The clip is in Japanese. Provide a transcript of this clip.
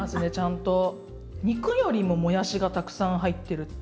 肉よりももやしがたくさん入ってるって。